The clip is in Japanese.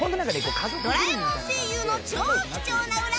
『ドラえもん』声優の超貴重なウラ話も！